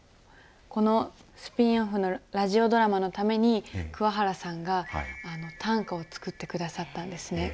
このスピンオフのラジオドラマのために桑原さんが短歌を作ってくださったんですね。